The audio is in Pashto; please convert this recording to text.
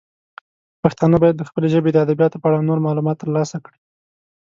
پښتانه باید د خپلې ژبې د ادبیاتو په اړه نور معلومات ترلاسه کړي.